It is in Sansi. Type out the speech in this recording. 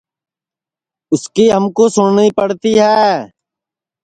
اُس کی ہمکُو سُٹؔنی پڑتی ہے